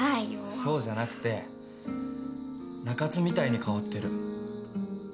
そうじゃなくて中津みたいに変わってる。